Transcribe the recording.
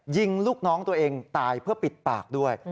ยิงลูกน้องตัวเองตายเพื่อปิดปากด้วย